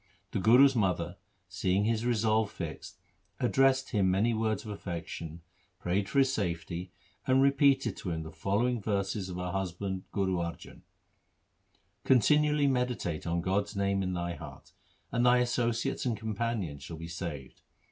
The Guru's mother, seeing his resolve fixed, addressed him many words of affection, prayed for his safety, and repeated to him the following verses of her husband Guru Arjan :— Continually meditate on God's name in thy heart, And thy associates and companions shall be saved.